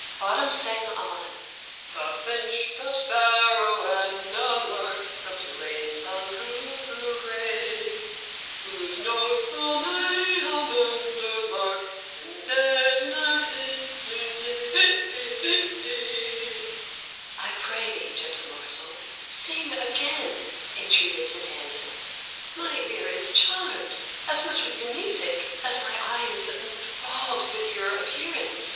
Bottom sang on: "The finch, the sparrow, and the lark, The plain song cuckoo gray, Whose note full many a man doth mark, And dares not answer nay." "I pray thee, gentle mortal, sing again," entreated Titania. "My ear is charmed as much with your music as my eye is enthralled with your appearance.